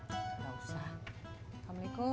gak usah wa'alaikum